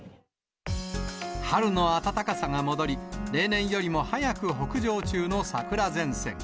春の暖かさが戻り、例年よりも早く北上中の桜前線。